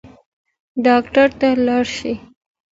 ډاکټر ته لاړ شئ